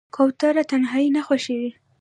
کوتره تنهایي نه خوښوي.